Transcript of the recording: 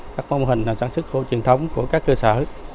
các mô hình sản xuất khổ truyền thống của các cơ sở